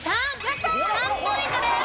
３。３ポイントです。